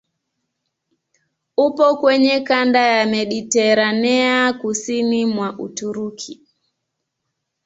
Upo kwenye kanda ya Mediteranea kusini mwa Uturuki.